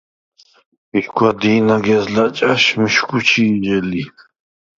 მიშგვა დი̄ნაგეზლა̈ ჭა̈ში მიშგუ ჩი̄ჟე ლი.